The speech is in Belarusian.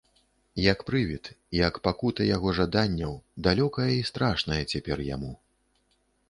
Як прывід, як пакута яго жаданняў, далёкая і страшная цяпер яму.